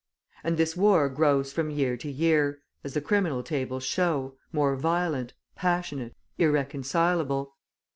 And this war grows from year to year, as the criminal tables show, more violent, passionate, irreconcilable.